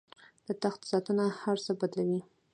د تخت ساتنه هر څه بدلوي.